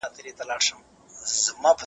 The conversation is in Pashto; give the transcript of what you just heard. کله چې ما کوچۍ ولیده هغې دروند پېټی په سر و.